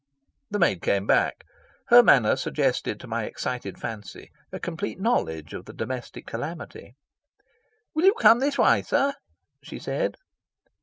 The maid came back. Her manner suggested to my excited fancy a complete knowledge of the domestic calamity. "Will you come this way, sir?" she said.